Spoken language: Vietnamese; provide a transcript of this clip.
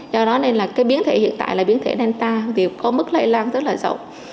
do đó nên là cái biến thể hiện tại là biến thể danta thì có mức lây lan rất là rộng